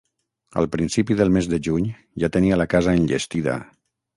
Al principi del mes de juny ja tenia la casa enllestida.